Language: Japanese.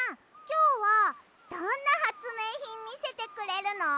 きょうはどんなはつめいひんみせてくれるの？